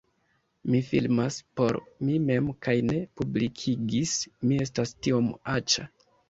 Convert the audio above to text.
Mi filmas por mi mem kaj ne publikigis, mi estas tiom aĉa